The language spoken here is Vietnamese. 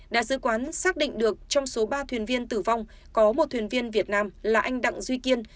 đại sứ quán xác định được trong số ba thuyền viên tử vong có một thuyền viên việt nam là anh đặng duy kiên